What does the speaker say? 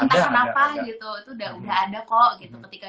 itu udah ada kok ketika